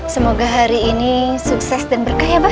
semoga hari ini sukses dan berkah ya